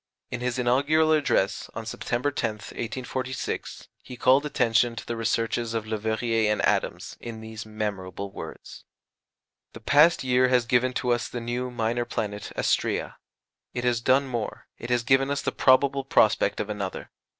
In his inaugural address, on September 10th, 1846, he called attention to the researches of Leverrier and Adams in these memorable words: "The past year has given to us the new [minor] planet Astræa; it has done more it has given us the probable prospect of another.